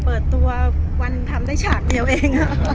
เปิดตัววันทำได้ฉากเดียวเอง